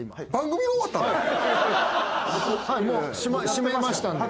締めましたんで。